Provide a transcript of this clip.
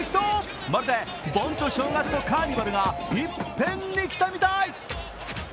まるで盆と正月とカーニバルが一遍に来たみたい。